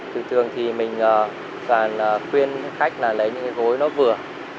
thường thường thì mình toàn khuyên khách là lấy những cái gối nó vừa